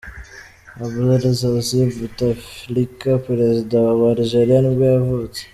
Abdelaziz Bouteflika, perezida wa wa Algeria nibwo yavutse.